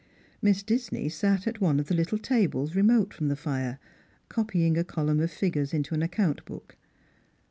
Miss Disney sat at one of the little tables remote from the fire, copying a column of figures into an ac count book.